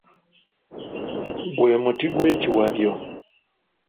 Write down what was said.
Gwe muti gwekiwabyo.